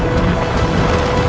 kepada ketiga dukun santri